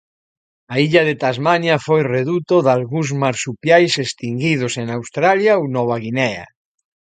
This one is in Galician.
A illa de Tasmania foi reduto dalgúns marsupiais extinguidos en Australia ou Nova Guinea.